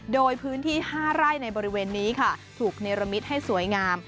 โดยพื้นที่๕ไร่ในบริเวณนี้ค่ะถูกเนรมิตให้สวยงาม